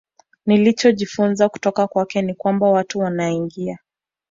Nilichojifunza kutoka kwake ni kwamba watu wanaingia